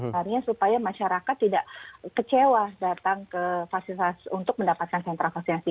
harinya supaya masyarakat tidak kecewa datang ke vaksinasi untuk mendapatkan sentral vaksinasi